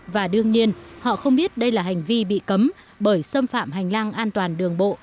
và đương nhiên họ không biết đây là hành vi bị cấm bởi xâm phạm hành lang an toàn đường bộ